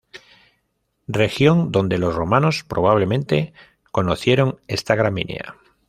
Región donde los romanos probablemente conocieron esta gramínea.